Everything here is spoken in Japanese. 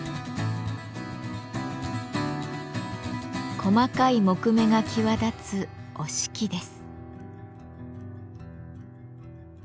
細かい木目が際立つ折敷です。